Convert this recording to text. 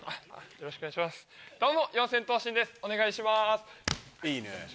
よろしくお願いします。